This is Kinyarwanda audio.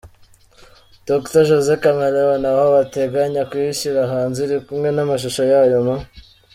Dr José Chameleon aho bateganya kuyishyira hanze iri kumwe namashusho yayo mu.